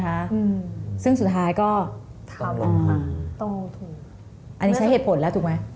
อันนี้ใช้เหตุผลแล้วถูกไหม